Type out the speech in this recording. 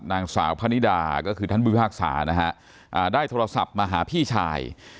นางสาวพนิดาก็คือท่านผู้พิพากษานะฮะได้โทรศัพท์มาหาพี่ชาย